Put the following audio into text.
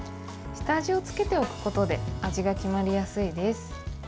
下味をつけておくことで味が決まりやすいです。